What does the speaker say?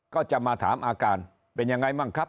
ก็จะมาถามอาการเป็นยังไงบ้างครับ